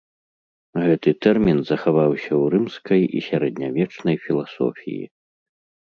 Гэты тэрмін захаваўся ў рымскай і сярэднявечнай філасофіі.